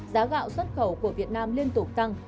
giá gạo xuất khẩu của việt nam liên tục tăng